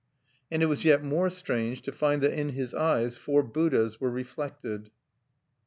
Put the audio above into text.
And it was yet more strange to find that in his eyes four Buddhas(5) were reflected.